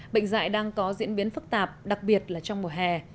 bệnh dạy đang có diễn biến phức tạp đặc biệt là trong mùa hè